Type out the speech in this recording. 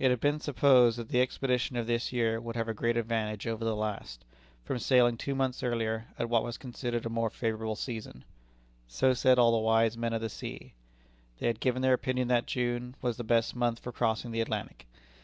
It had been supposed that the expedition of this year would have a great advantage over the last, from sailing two months earlier, at what was considered a more favorable season. So said all the wise men of the sea. They had given their opinion that June was the best month for crossing the Atlantic.